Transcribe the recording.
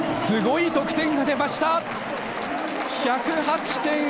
すごい得点が出ました。